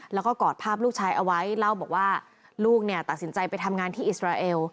แล้วก็กอดภาพลูกชายเอาไว้เล่าบอกว่าลูกเนี่ยตัดสินใจไปทำงานที่อิสราเอล